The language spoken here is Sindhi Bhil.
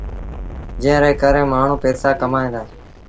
جݩهݩ ري ڪري مآڻهوٚٚݩ پئيٚسآ ڪمائيٚݩ دآ